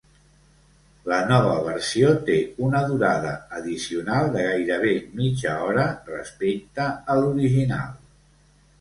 La nova versió té una durada addicional de gairebé mitja hora respecte a l'original.